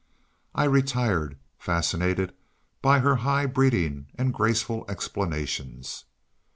I retired, fascinated by her high breeding and graceful explanations.